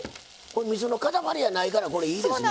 みそのかたまりやないからこれいいですね。